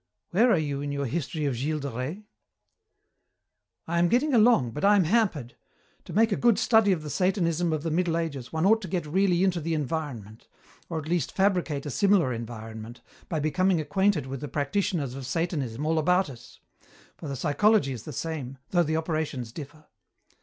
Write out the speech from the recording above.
Where are you in your history of Gilles de Rais?" "I am getting along, but I am hampered. To make a good study of the Satanism of the Middle Ages one ought to get really into the environment, or at least fabricate a similar environment, by becoming acquainted with the practitioners of Satanism all about us for the psychology is the same, though the operations differ."